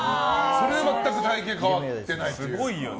それで全く体形変わってないという。